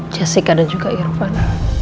jessica dan juga irfan